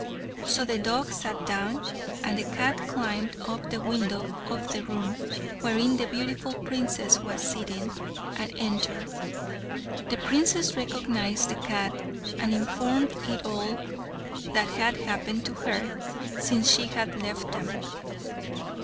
So the dog sat down, and the cat climbed up to the window of the room, wherein the beautiful princess was sitting, and entered. The princess recognised the cat, and informed it of all that had happened to her since she had left them.